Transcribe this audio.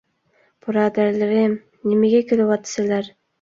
بۇرادەرلىرىم، نېمىگە كۈلۈۋاتىسىلەر؟